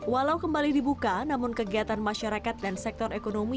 walau kembali dibuka namun kegiatan masyarakat dan sektor ekonomi